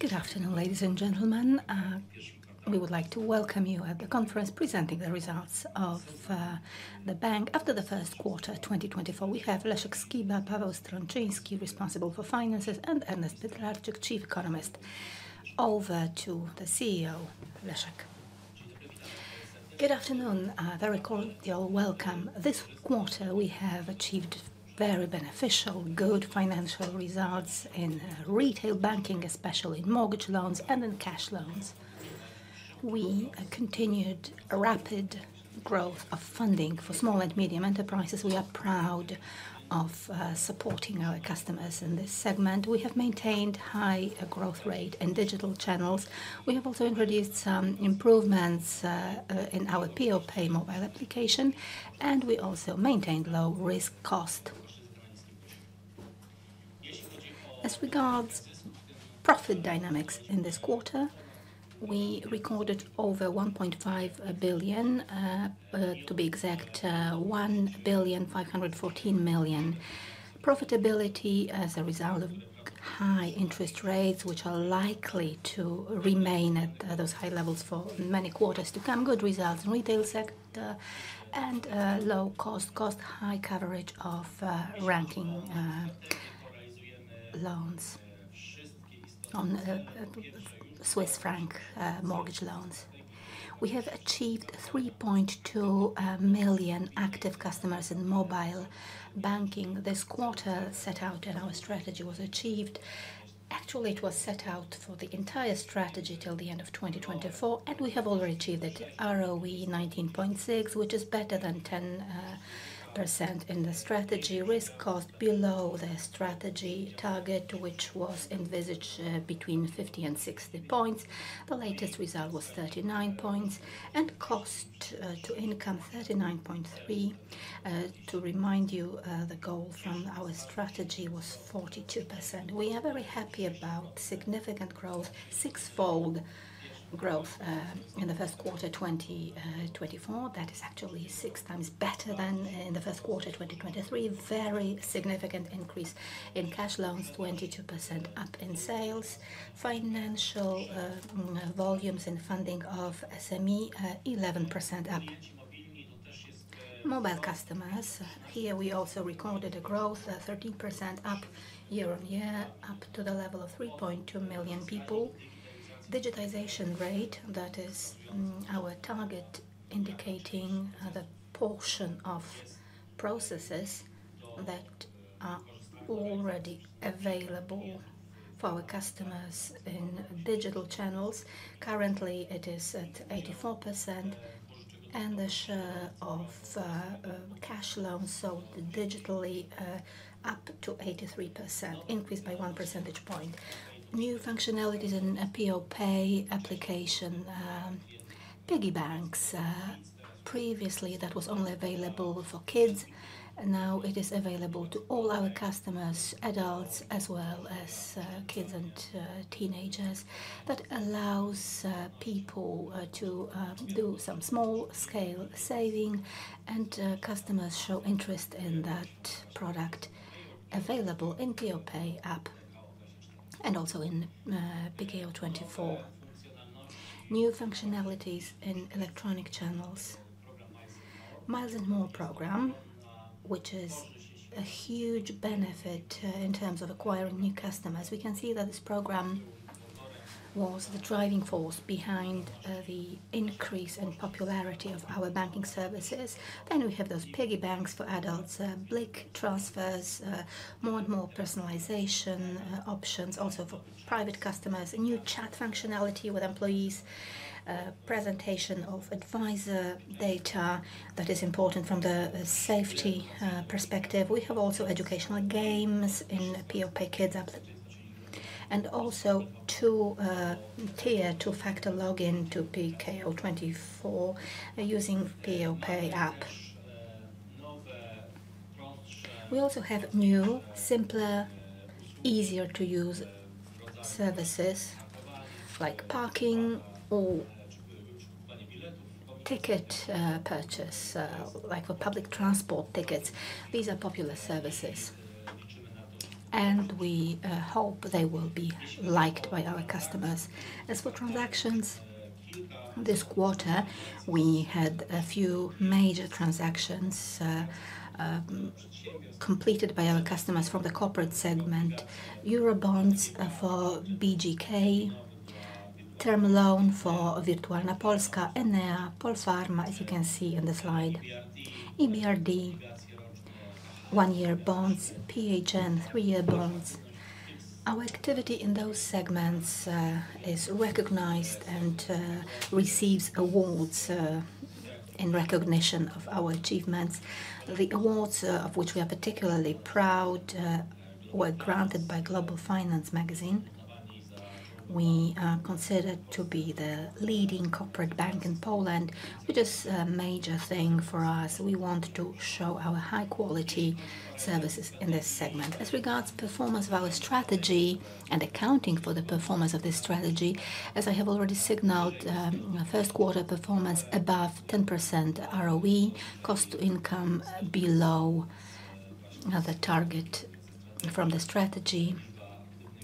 Good afternoon, ladies and gentlemen. We would like to welcome you at the conference presenting the results of the bank after the first quarter 2024. We have Leszek Skiba, Paweł Strączyński, responsible for finances, and Ernest Pytlarczyk, chief economist. Over to the CEO, Leszek. Good afternoon. Very cordial welcome. This quarter we have achieved very beneficial, good financial results in retail banking, especially in mortgage loans and in cash loans. We continued rapid growth of funding for small and medium enterprises. We are proud of supporting our customers in this segment. We have maintained high growth rate in digital channels. We have also introduced some improvements in our PeoPay mobile application, and we also maintained low-risk cost. As regards profit dynamics in this quarter, we recorded over 1.5 billion, to be exact, 1,514,000,000. Profitability as a result of high interest rates, which are likely to remain at those high levels for many quarters to come. Good results in retail sector and low cost-to-income, high coverage of loans on Swiss franc mortgage loans. We have achieved 3.2 million active customers in mobile banking. This target set out in our strategy was achieved actually; it was set out for the entire strategy till the end of 2024, and we have already achieved it. ROE 19.6%, which is better than 10% in the strategy. Risk cost below the strategy target, which was envisaged between 50 and 60 points. The latest result was 39 points, and cost-to-income 39.3%. To remind you, the goal from our strategy was 42%. We are very happy about significant growth, six-fold growth, in the first quarter 2024. That is actually six times better than in the first quarter 2023. Very significant increase in cash loans, 22% up in sales. Financial volumes and funding of SME, 11% up. Mobile customers. Here we also recorded a growth, 13% up year-on-year, up to the level of 3.2 million people. Digitization rate, that is, our target indicating the portion of processes that are already available for our customers in digital channels. Currently it is at 84%, and the share of cash loans sold digitally up to 83%, increased by one percentage point. New functionalities in PeoPay application, Piggy banks. Previously that was only available for kids. Now it is available to all our customers, adults as well as kids and teenagers. That allows people to do some small-scale saving, and customers show interest in that product available in PeoPay app and also in Pekao24. New functionalities in electronic channels. Miles & More program, which is a huge benefit, in terms of acquiring new customers. We can see that this program was the driving force behind the increase in popularity of our banking services. Then we have those Piggy banks for adults, BLIK transfers, more and more personalization options also for private customers. New chat functionality with employees, presentation of advisor data that is important from the safety perspective. We have also educational games in PeoPay Kids app and also two-tier two-factor login to Pekao24 using PeoPay app. We also have new, simpler, easier-to-use services like parking or ticket purchase, like for public transport tickets. These are popular services, and we hope they will be liked by our customers. As for transactions, this quarter we had a few major transactions completed by our customers from the corporate segment. Eurobonds for BGK, term loan for Wirtualna Polska, Enea, Polpharma, as you can see on the slide, EBRD, one-year bonds, PHN, three-year bonds. Our activity in those segments is recognized and receives awards in recognition of our achievements. The awards, of which we are particularly proud, were granted by Global Finance magazine. We, considered to be the leading corporate bank in Poland, which is a major thing for us. We want to show our high-quality services in this segment. As regards performance of our strategy and accounting for the performance of this strategy, as I have already signaled, first quarter performance above 10% ROE, cost to income below the target from the strategy,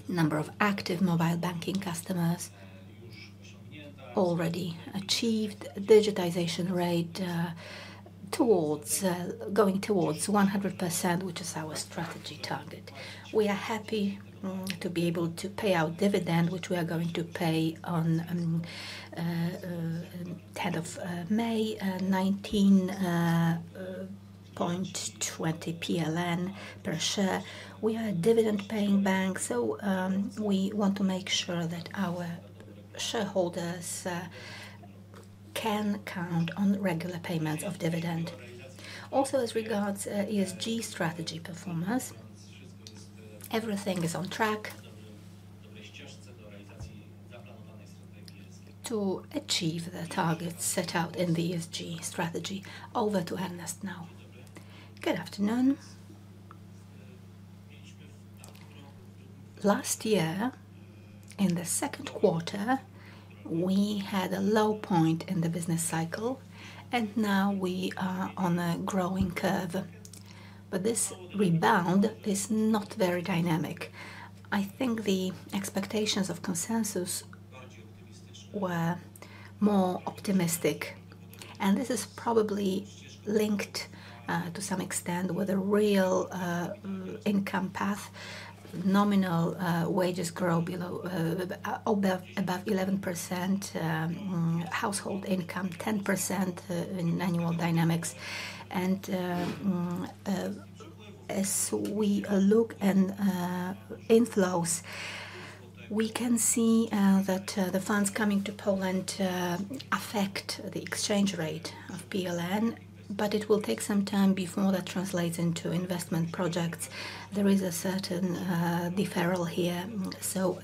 number of active mobile banking customers already achieved, digitization rate towards going towards 100%, which is our strategy target. We are happy to be able to pay out dividend, which we are going to pay on 10th of May, 19.20 PLN per share. We are a dividend-paying bank, so we want to make sure that our shareholders can count on regular payments of dividend. Also, as regards ESG strategy performance, everything is on track to achieve the targets set out in the ESG strategy. Over to Ernest now. Good afternoon. Last year, in the second quarter, we had a low point in the business cycle, and now we are on a growing curve. But this rebound is not very dynamic. I think the expectations of consensus were more optimistic, and this is probably linked to some extent with a real income path. Nominal wages grow below above 11%, household income 10% in annual dynamics. As we look at inflows, we can see that the funds coming to Poland affect the exchange rate of the PLN, but it will take some time before that translates into investment projects. There is a certain deferral here.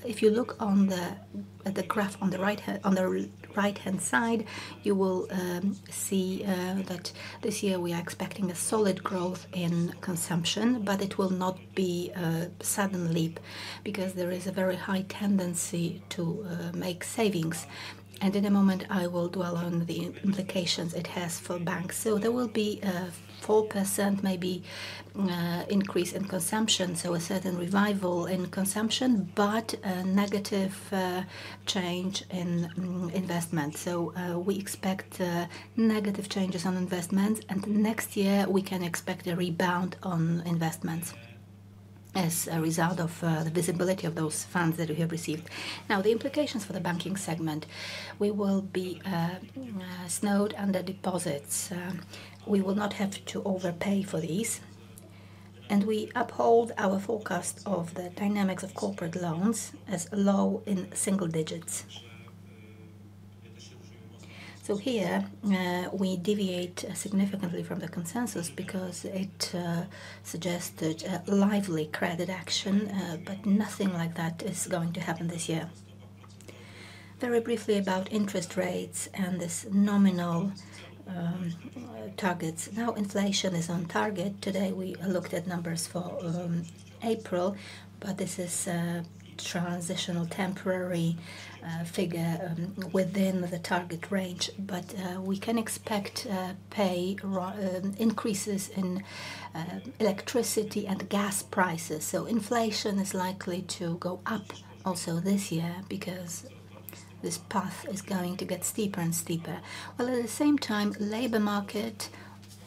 If you look on the graph on the right-hand side, you will see that this year we are expecting solid growth in consumption, but it will not be a sudden leap because there is a very high tendency to make savings. In a moment I will dwell on the implications it has for banks. There will be a 4% maybe increase in consumption, so a certain revival in consumption, but a negative change in investments. We expect negative changes in investments, and next year we can expect a rebound in investments as a result of the visibility of those funds that we have received. Now, the implications for the banking segment. We will be snowed under deposits. We will not have to overpay for these, and we uphold our forecast of the dynamics of corporate loans as low in single digits. So here, we deviate significantly from the consensus because it suggested a lively credit action, but nothing like that is going to happen this year. Very briefly about interest rates and these nominal targets. Now inflation is on target. Today we looked at numbers for April, but this is a transitional temporary figure within the target range. But we can expect payroll increases in electricity and gas prices. So inflation is likely to go up also this year because this path is going to get steeper and steeper. While at the same time labor market,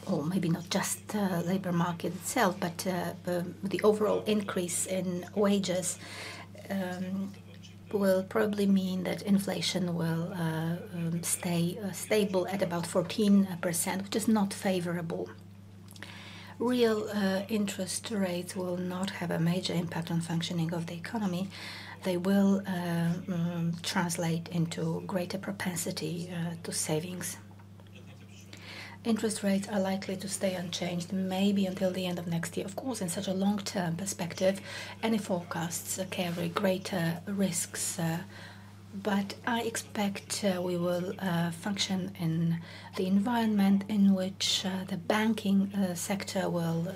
or maybe not just labor market itself, but the overall increase in wages, will probably mean that inflation will stay stable at about 14%, which is not favorable. Real interest rates will not have a major impact on the functioning of the economy. They will translate into greater propensity to savings. Interest rates are likely to stay unchanged, maybe until the end of next year, of course, in such a long-term perspective. Any forecasts carry greater risks, but I expect we will function in the environment in which the banking sector will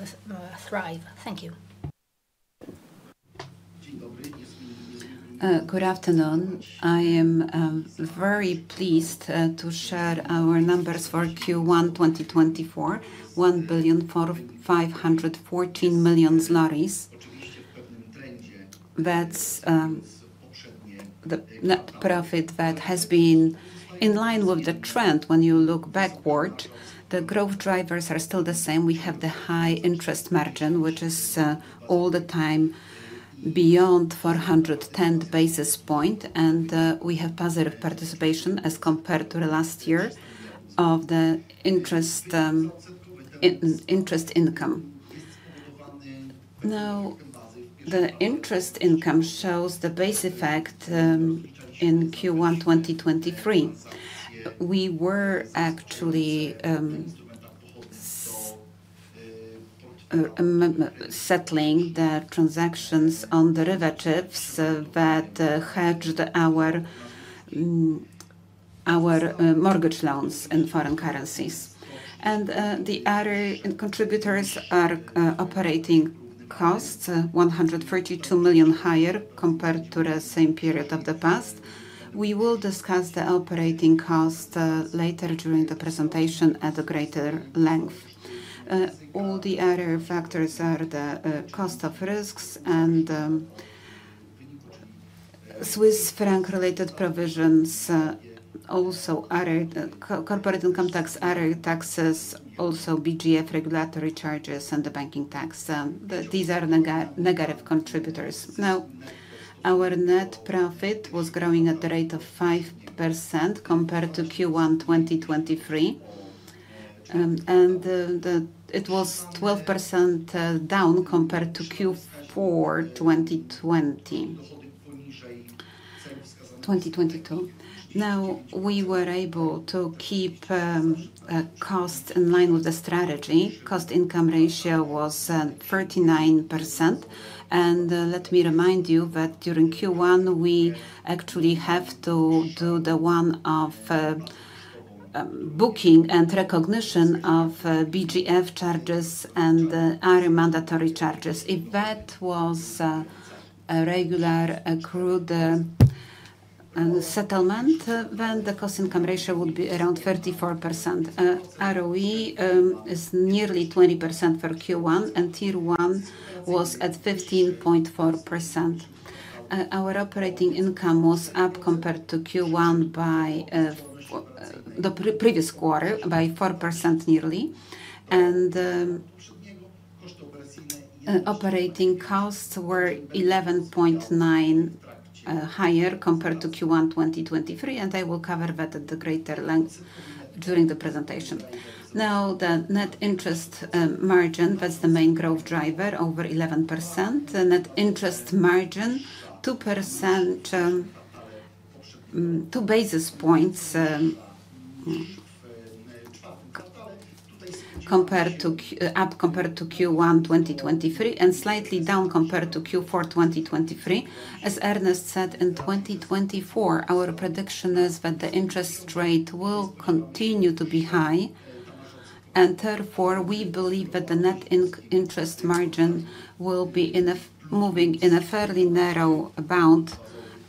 thrive. Thank you. Good afternoon. I am very pleased to share our numbers for Q1 2024. 1,514,000,000 zlotys. That's the profit that has been in line with the trend. When you look backward, the growth drivers are still the same. We have the high interest margin, which is all the time beyond 410 basis points, and we have positive participation as compared to last year of the interest income. Now, the interest income shows the base effect in Q1 2023. We were actually settling the transactions on derivatives that hedged our mortgage loans in foreign currencies. The other contributors are operating costs, 132 million higher compared to the same period of the past. We will discuss the operating cost later during the presentation at a greater length. All the other factors are the cost of risks and Swiss franc-related provisions, also other corporate income tax, other taxes, also BFG regulatory charges, and the banking tax. These are negative contributors. Now, our net profit was growing at the rate of 5% compared to Q1 2023, and it was 12% down compared to Q4 2020. Now, we were able to keep costs in line with the strategy. Cost-income ratio was 39%. And, let me remind you that during Q1 we actually have to do the one of booking and recognition of BFG charges and other mandatory charges. If that was a regular accrued settlement, then the cost-income ratio would be around 34%. ROE is nearly 20% for Q1, and Tier 1 was at 15.4%. Our operating income was up compared to Q1 by the previous quarter by 4% nearly. Operating costs were 11.9%, higher compared to Q1 2023, and I will cover that at a greater length during the presentation. Now, the net interest margin, that's the main growth driver, over 11%. Net interest margin 2%, up 2 basis points compared to Q1 2023 and slightly down compared to Q4 2023. As Ernest said, in 2024, our prediction is that the interest rate will continue to be high, and therefore we believe that the net interest margin will be moving in a fairly narrow bound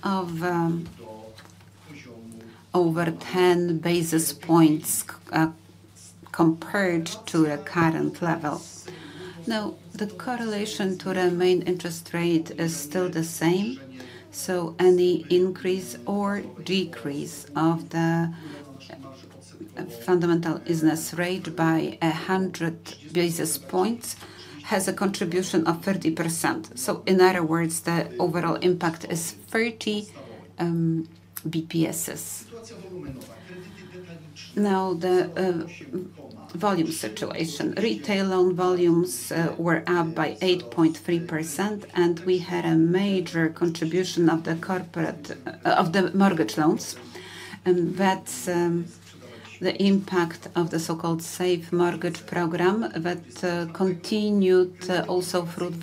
of over 10 basis points, compared to the current level. Now, the correlation to the main interest rate is still the same. So any increase or decrease of the fundamental business rate by 100 basis points has a contribution of 30%. So in other words, the overall impact is 30 basis points. Now, the volume situation. Retail loan volumes were up by 8.3%, and we had a major contribution of the corporate of the mortgage loans. That's the impact of the so-called safe mortgage program that continued also through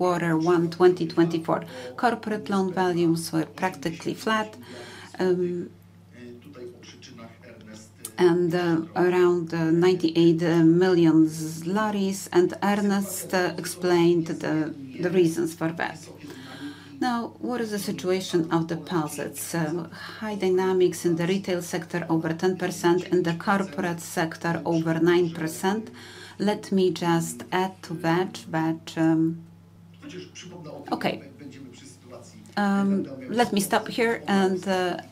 Q1 2024. Corporate loan volumes were practically flat, and around 98,000,000, and Ernest explained the reasons for that. Now, what is the situation of deposits? So high dynamics in the retail sector over 10%, in the corporate sector over 9%. Let me just add to that that, okay. Let me stop here, and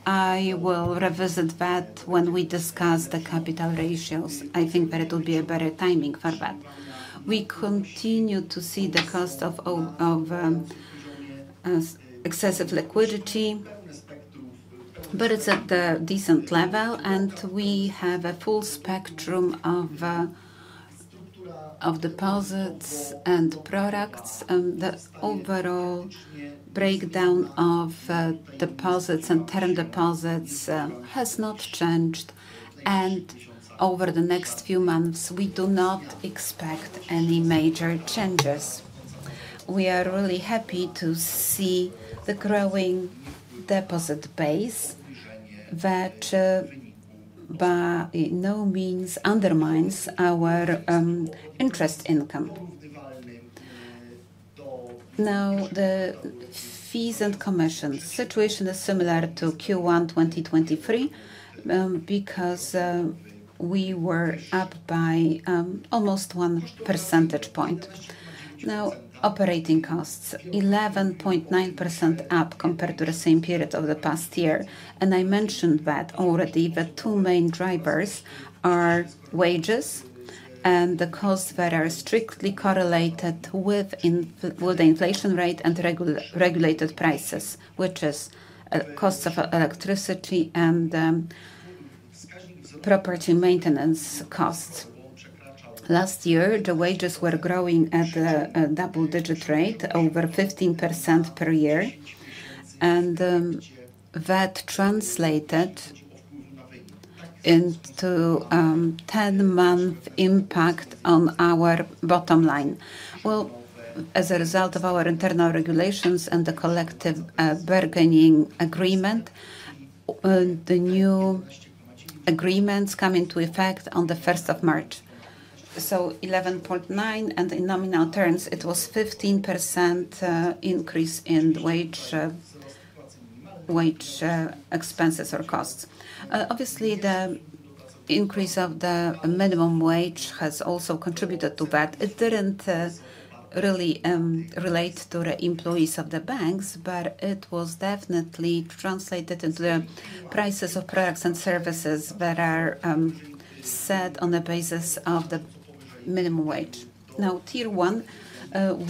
I will revisit that when we discuss the capital ratios. I think that it will be a better timing for that. We continue to see the cost of excessive liquidity, but it's at a decent level, and we have a full spectrum of deposits and products. The overall breakdown of deposits and term deposits has not changed, and over the next few months we do not expect any major changes. We are really happy to see the growing deposit base that, by no means undermines our interest income. Now, the fees and commissions. Situation is similar to Q1 2023, because we were up by almost 1 percentage point. Now, operating costs. 11.9% up compared to the same period of the past year. I mentioned that already the two main drivers are wages and the costs that are strictly correlated with the inflation rate and regulated prices, which is costs of electricity and property maintenance costs. Last year the wages were growing at a double-digit rate over 15% per year, and that translated into 10-month impact on our bottom line. Well, as a result of our internal regulations and the collective bargaining agreement, the new agreements come into effect on the 1st of March. So 11.9%, and in nominal terms it was 15%, increase in wage expenses or costs. Obviously the increase of the minimum wage has also contributed to that. It didn't really relate to the employees of the banks, but it was definitely translated into the prices of products and services that are set on the basis of the minimum wage. Now, Tier 1,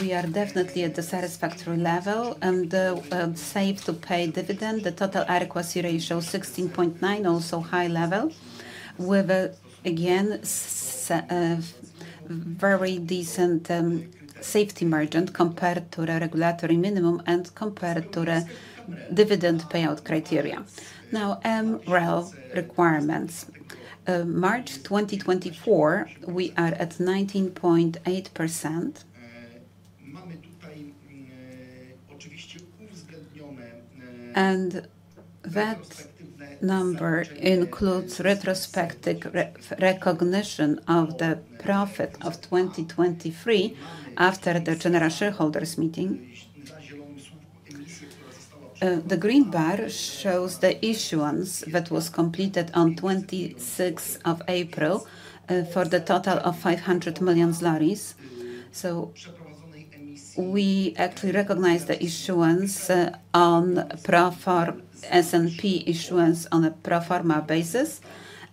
we are definitely at the satisfactory level and the safe-to-pay dividend. The total adequacy ratio 16.9%, also high level, with again very decent safety margin compared to the regulatory minimum and compared to the dividend payout criteria. Now, MREL requirements. March 2024 we are at 19.8%, and that number includes retrospective recognition of the profit of 2023 after the general shareholders' meeting. The green bar shows the issuance that was completed on 26th of April for the total of 500 million. So we actually recognize the issuance on pro forma SNP issuance on a pro forma basis,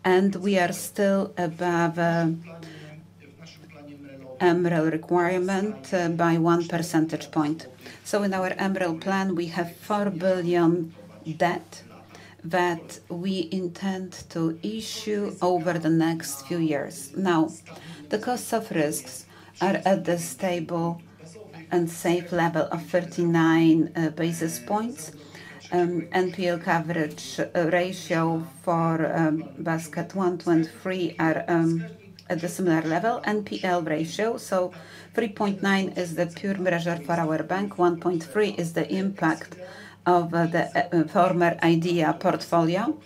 and we are still above the MREL requirement by one percentage point. So in our MREL plan we have 4 billion debt that we intend to issue over the next few years. Now, the costs of risks are at the stable and safe level of 39 basis points. NPL coverage ratio for Basket 1, 2, 3 are at a similar level. NPL ratio. So 3.9% is the core margin for our bank. 1.3% is the impact of the former Idea portfolio,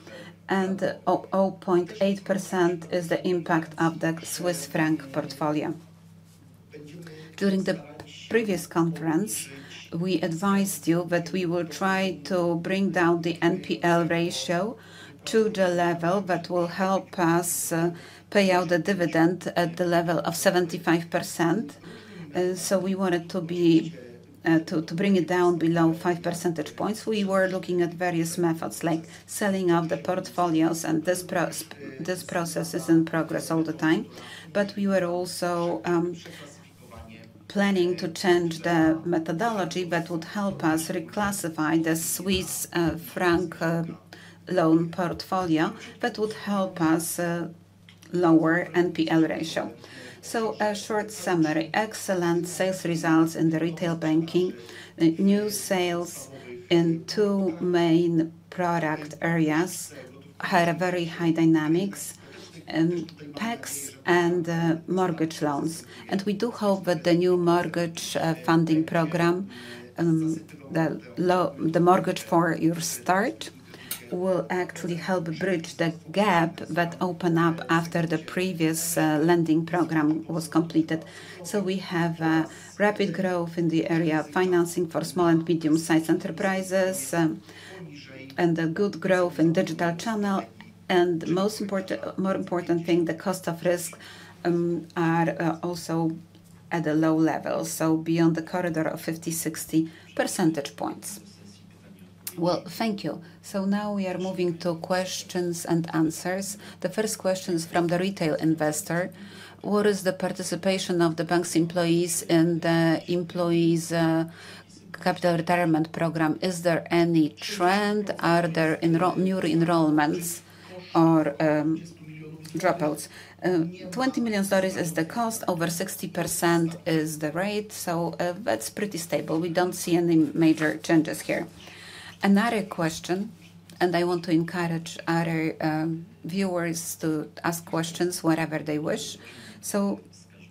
and 0.8% is the impact of the Swiss franc portfolio. During the previous conference we advised you that we will try to bring down the NPL ratio to the level that will help us pay out the dividend at the level of 75%. So we wanted to bring it down below 5 percentage points. We were looking at various methods like selling off the portfolios, and this process is in progress all the time. But we were also planning to change the methodology that would help us reclassify the Swiss franc loan portfolio that would help us lower NPL ratio. So, short summary. Excellent sales results in the retail banking. New sales in two main product areas. Had very high dynamics in cash and mortgage loans. We do hope that the new mortgage funding program, the Mortgage for Your Start, will actually help bridge the gap that opened up after the previous lending program was completed. We have rapid growth in the area of financing for small and medium-sized enterprises, and good growth in digital channels. Most important, the cost of risk is also at a low level, beyond the corridor of 50-60 percentage points. Well, thank you. Now we are moving to questions and answers. The first question is from the retail investor. What is the participation of the bank's employees in the employees' capital retirement program? Is there any trend? Are there new enrollments or dropouts? 20 million is the cost. Over 60% is the rate. That's pretty stable. We don't see any major changes here. Another question, and I want to encourage other viewers to ask questions wherever they wish. So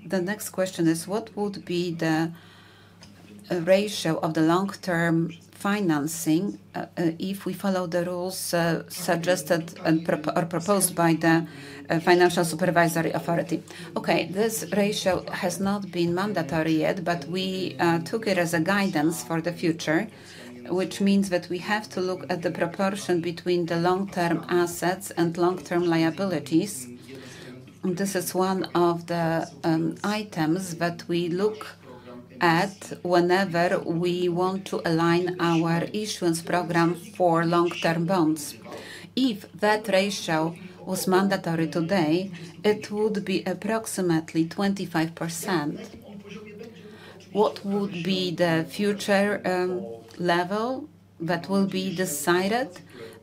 the next question is, what would be the ratio of the long-term financing, if we follow the rules, suggested and proposed by the Financial Supervisory Authority? Okay. This ratio has not been mandatory yet, but we took it as a guidance for the future, which means that we have to look at the proportion between the long-term assets and long-term liabilities. This is one of the items that we look at whenever we want to align our issuance program for long-term bonds. If that ratio was mandatory today, it would be approximately 25%. What would be the future level that will be decided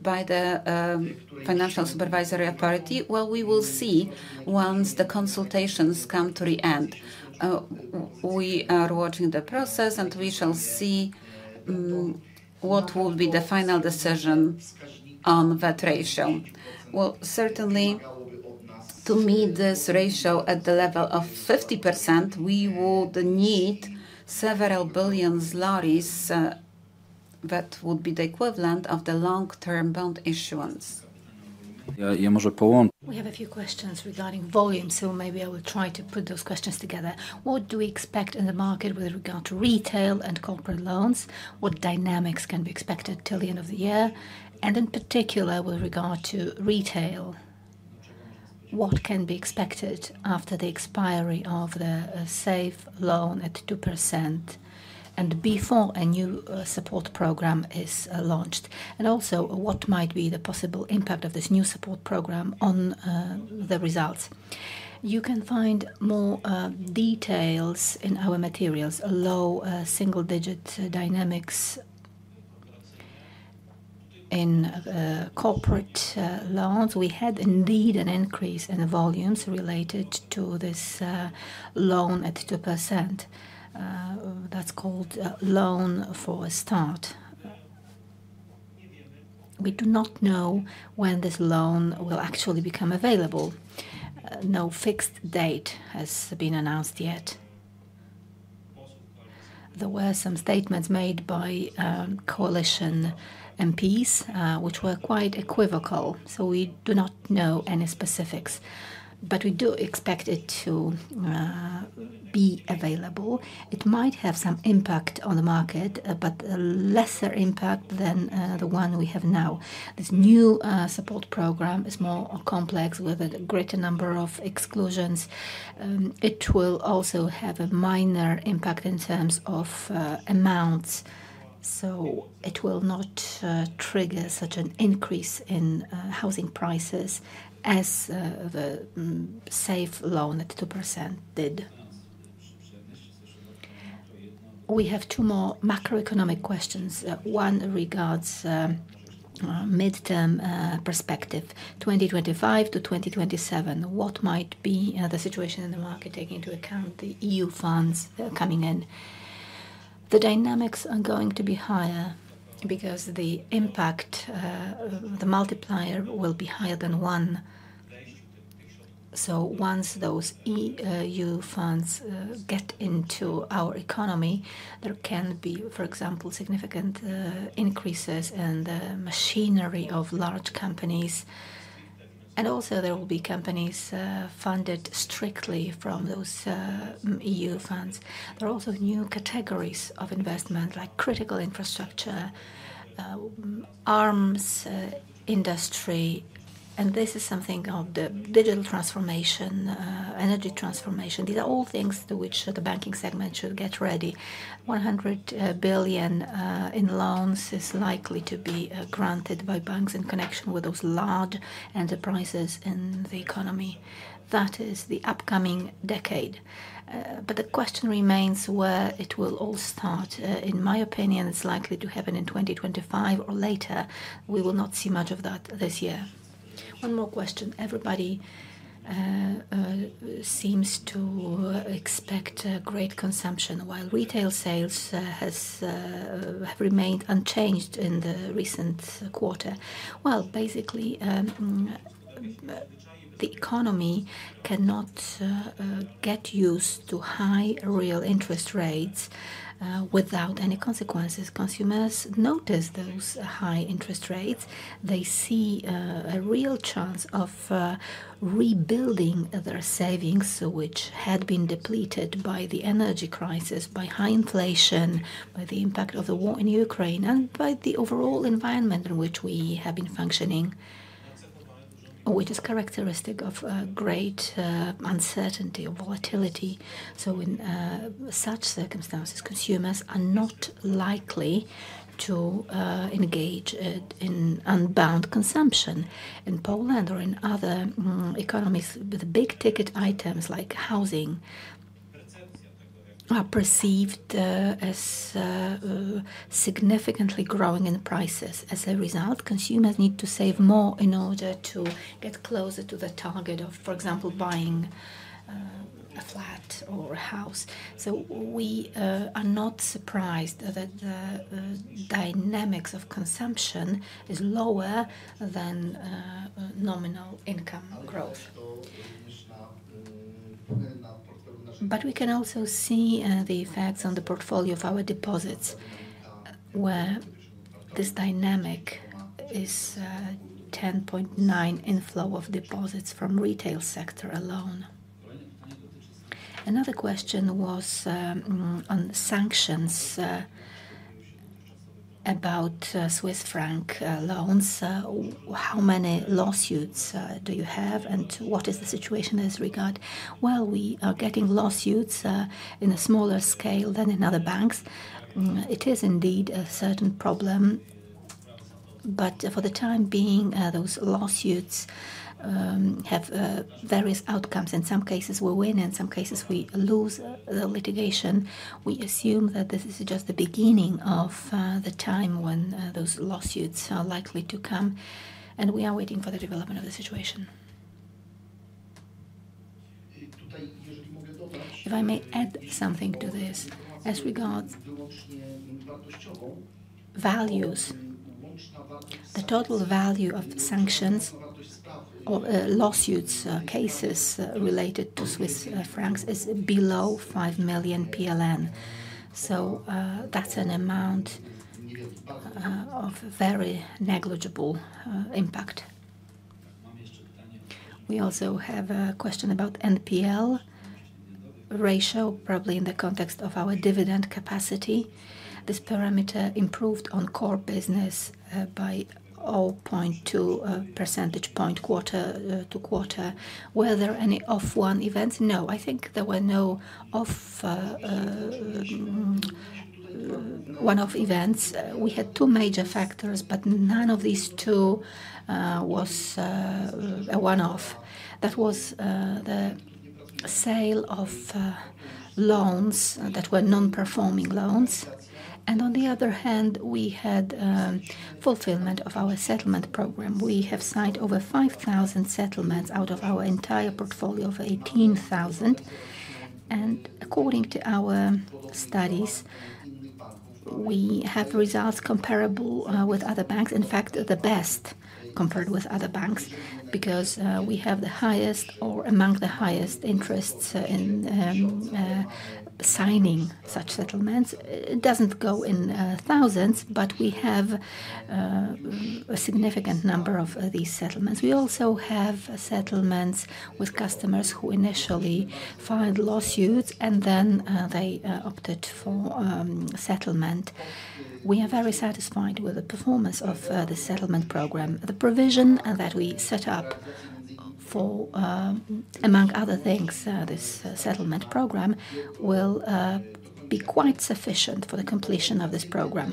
by the Financial Supervisory Authority? Well, we will see once the consultations come to the end. We are watching the process, and we shall see, what will be the final decision on that ratio. Well, certainly to meet this ratio at the level of 50%, we would need several billion złotych that would be the equivalent of the long-term bond issuance. We have a few questions regarding volume, so maybe I will try to put those questions together. What do we expect in the market with regard to retail and corporate loans? What dynamics can be expected till the end of the year? And in particular with regard to retail, what can be expected after the expiry of the Safe Loan at 2% and before a new support program is launched? And also, what might be the possible impact of this new support program on the results? You can find more details in our materials: single-digit dynamics in corporate loans. We had indeed an increase in volumes related to this loan at 2%. That's called a Loan for a Start. We do not know when this loan will actually become available. No fixed date has been announced yet. There were some statements made by coalition MPs, which were quite equivocal. So we do not know any specifics. But we do expect it to be available. It might have some impact on the market, but a lesser impact than the one we have now. This new support program is more complex with a greater number of exclusions. It will also have a minor impact in terms of amounts. So it will not trigger such an increase in housing prices as the Safe Loan at 2% did. We have two more macroeconomic questions. One regards mid-term perspective. 2025-2027, what might be the situation in the market taking into account the EU funds coming in? The dynamics are going to be higher because the impact, the multiplier will be higher than one. So once those EU funds get into our economy, there can be, for example, significant increases in the machinery of large companies. And also there will be companies funded strictly from those EU funds. There are also new categories of investment like critical infrastructure, arms industry. And this is something of the digital transformation, energy transformation. These are all things to which the banking segment should get ready. 100 billion in loans is likely to be granted by banks in connection with those large enterprises in the economy. That is the upcoming decade. But the question remains where it will all start. In my opinion, it's likely to happen in 2025 or later. We will not see much of that this year. One more question. Everybody seems to expect great consumption while retail sales have remained unchanged in the recent quarter. Well, basically, the economy cannot get used to high real interest rates without any consequences. Consumers notice those high interest rates. They see a real chance of rebuilding their savings, which had been depleted by the energy crisis, by high inflation, by the impact of the war in Ukraine, and by the overall environment in which we have been functioning, which is characteristic of great uncertainty or volatility. So in such circumstances, consumers are not likely to engage in unbound consumption. In Poland or in other economies with big-ticket items like housing are perceived as significantly growing in prices. As a result, consumers need to save more in order to get closer to the target of, for example, buying a flat or a house. So we are not surprised that the dynamics of consumption is lower than nominal income growth. But we can also see the effects on the portfolio of our deposits where this dynamic is 10.9% inflow of deposits from retail sector alone. Another question was on sanctions about Swiss franc loans. How many lawsuits do you have and what is the situation with regard? Well, we are getting lawsuits in a smaller scale than in other banks. It is indeed a certain problem. But for the time being, those lawsuits have various outcomes. In some cases we win and in some cases we lose the litigation. We assume that this is just the beginning of the time when those lawsuits are likely to come. We are waiting for the development of the situation. If I may add something to this. As regards the total value of sanctions or lawsuits cases related to Swiss francs is below 5 million PLN. So that's an amount of very negligible impact. We also have a question about NPL ratio, probably in the context of our dividend capacity. This parameter improved on core business by 0.2 percentage point quarter-to-quarter. Were there any one-off events? No. I think there were no one-off events. We had two major factors, but none of these two was a one-off. That was the sale of loans that were non-performing loans. And on the other hand, we had fulfillment of our settlement program. We have signed over 5,000 settlements out of our entire portfolio of 18,000. And according to our studies, we have results comparable with other banks. In fact, the best compared with other banks because we have the highest or among the highest interests in signing such settlements. It doesn't go in thousands, but we have a significant number of these settlements. We also have settlements with customers who initially filed lawsuits and then they opted for settlement. We are very satisfied with the performance of this settlement program. The provision that we set up for among other things this settlement program will be quite sufficient for the completion of this program.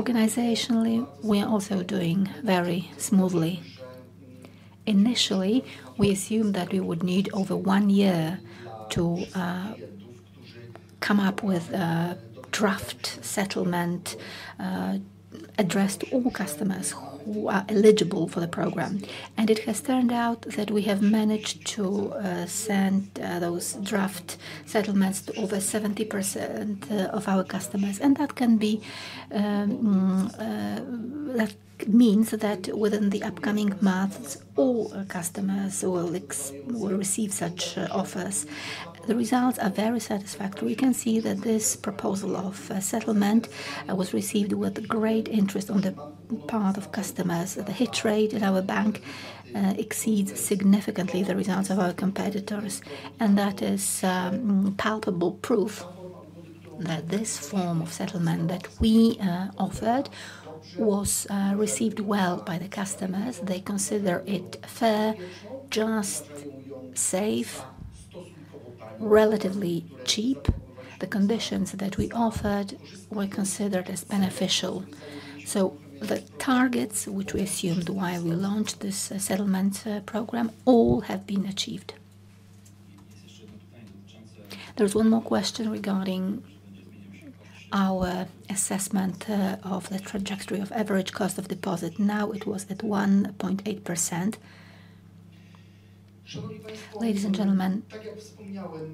Organizationally, we are also doing very smoothly. Initially, we assumed that we would need over one year to come up with a draft settlement addressed to all customers who are eligible for the program. It has turned out that we have managed to send those draft settlements to over 70% of our customers. That can be, that means that within the upcoming months, all customers will receive such offers. The results are very satisfactory. We can see that this proposal of settlement was received with great interest on the part of customers. The hitch rate in our bank exceeds significantly the results of our competitors. That is palpable proof that this form of settlement that we offered was received well by the customers. They consider it fair, just, safe, relatively cheap. The conditions that we offered were considered as beneficial. So the targets which we assumed while we launched this settlement program all have been achieved. There is one more question regarding our assessment of the trajectory of average cost of deposit. Now it was at 1.8%. Ladies and gentlemen,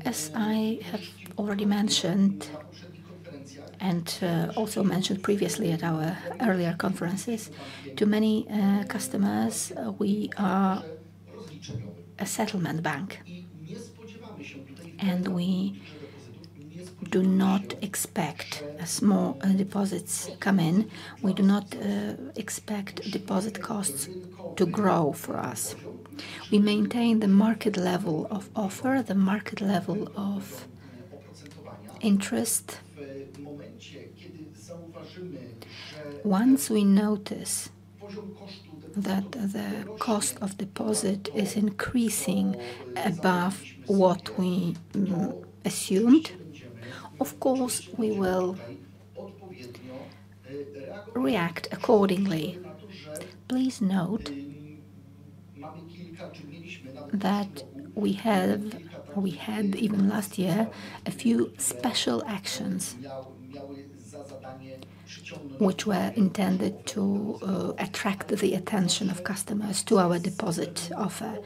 as I have already mentioned and also mentioned previously at our earlier conferences, to many customers, we are a settlement bank. And we do not expect small deposits to come in. We do not expect deposit costs to grow for us. We maintain the market level of offer, the market level of interest. Once we notice that the cost of deposit is increasing above what we assumed, of course we will react accordingly. Please note that we had, even last year, a few special actions which were intended to attract the attention of customers to our deposit offer.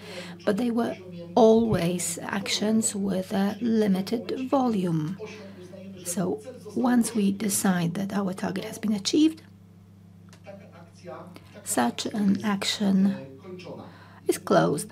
But they were always actions with a limited volume. So once we decide that our target has been achieved, such an action is closed.